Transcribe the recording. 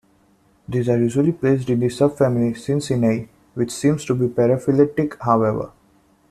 These are usually placed in the subfamily Scincinae, which seems to be paraphyletic however.